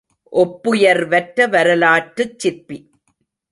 ஒப்புயர்வற்ற வரலாற்றுச் சிற்பி.